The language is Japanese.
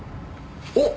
おっ！